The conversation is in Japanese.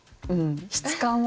質感は？